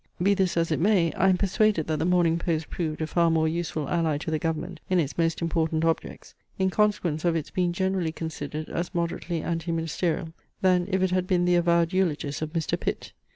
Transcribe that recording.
Be this as it may, I am persuaded that the Morning Post proved a far more useful ally to the Government in its most important objects, in consequence of its being generally considered as moderately anti ministerial, than if it had been the avowed eulogist of Mr. Pitt.